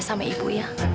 jangan bikin kayak